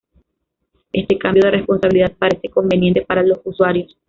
Este cambio de responsabilidad parece conveniente para los usuarios